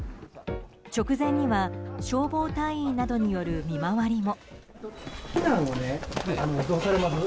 直前には消防隊員などによる見回りも。